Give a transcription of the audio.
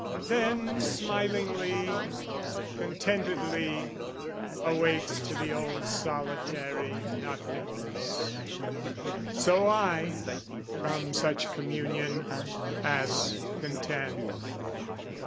Then smilingly, contentedly, awakes To the old solitary nothingness. So I, from such communion, pass content...